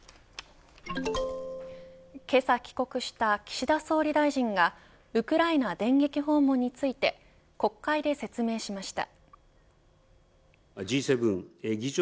けさ帰国した岸田総理大臣がウクライナ電撃訪問について国会で説明しました。